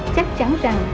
chắc chắn rằng